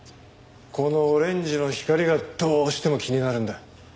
このオレンジの光がどうしても気になるんだ。